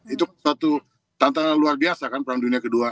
itu satu tantangan luar biasa kan perang dunia ii